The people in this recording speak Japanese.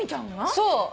そう。